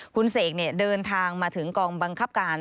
คุณเสกเดินทางมาถึงกองบังคับการ